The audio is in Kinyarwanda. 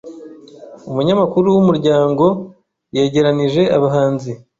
umunyamakuru w’ Umuryango yegeranije abahanzi